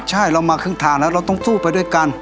ใช่เรามาครึ่งทางแล้วเราต้องสู้ไปด้วยกัน